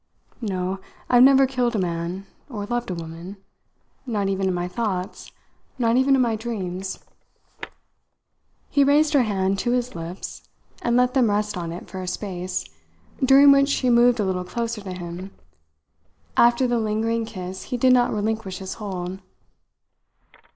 No, I've never killed a man or loved a woman not even in my thoughts, not even in my dreams." He raised her hand to his lips, and let them rest on it for a space, during which she moved a little closer to him. After the lingering kiss he did not relinquish his hold.